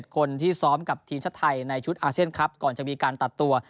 คนที่ซ้อมกับทีมชาติไทยในชุดอาเซียนครับก่อนจะมีการตัดตัว